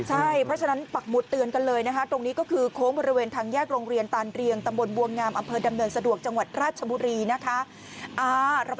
ใช่เพราะฉะนั้นปักหมวดเตือนกันเลยนะคะ